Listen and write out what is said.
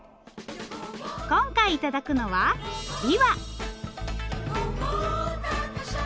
今回頂くのはびわ。